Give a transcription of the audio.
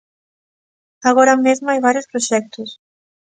Agora mesmo hai varios proxectos.